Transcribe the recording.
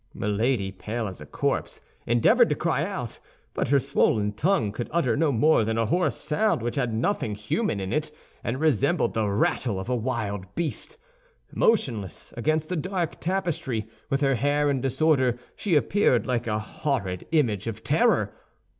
Milady, pale as a corpse, endeavored to cry out; but her swollen tongue could utter no more than a hoarse sound which had nothing human in it and resembled the rattle of a wild beast. Motionless against the dark tapestry, with her hair in disorder, she appeared like a horrid image of terror.